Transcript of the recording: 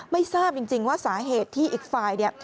ไม่ทราบจริงว่าสาเหตุที่อีกฝ่ายเนี่ย